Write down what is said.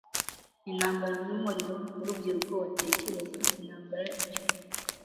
intambara n'umuriro w'urubyiruko utekereza intambara icyubahiro